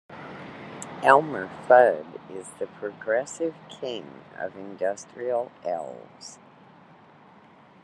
Elmer Fudd is the progressive King of industrial Elves.